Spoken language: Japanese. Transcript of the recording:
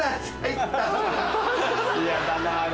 嫌だなあれ。